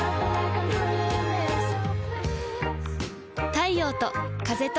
太陽と風と